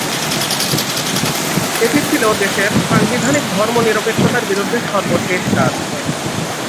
এটি ছিল দেশের সাংবিধানিক ধর্ম নিরপেক্ষতার বিরুদ্ধে সর্বশেষ কাজ।